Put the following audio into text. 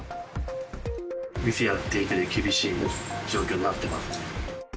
店やっていくのが厳しい状況になってますね。